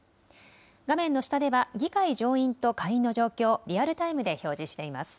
画面の下では議会上院と下院の状況、リアルタイムで表示しています。